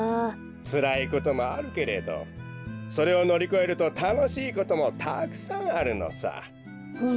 つらいこともあるけれどそれをのりこえるとたのしいこともたくさんあるのさ。